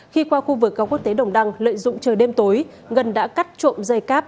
khi qua khu vực cao quốc tế đồng đăng lợi dụng trời đêm tối ngân đã cắt trộm dây cáp